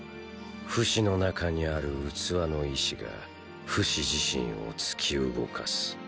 フシの中にある器の意思がフシ自身を突き動かす。